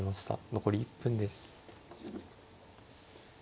残り１分です。